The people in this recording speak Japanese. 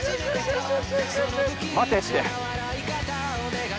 ◆待てって。